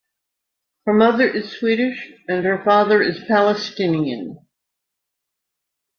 Her mother is Swedish and her father is Palestinian.